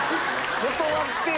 断ってよ